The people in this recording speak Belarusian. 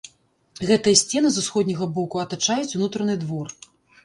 Гэтыя сцены з усходняга боку атачаюць унутраны двор.